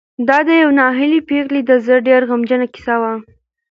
دا د یوې ناهیلې پېغلې د زړه ډېره غمجنه کیسه وه.